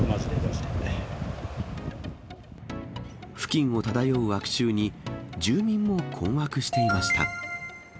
付近を漂う悪臭に、住民も困惑していました。